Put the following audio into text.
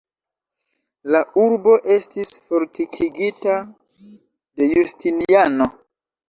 La urbo estis fortikigita de Justiniano.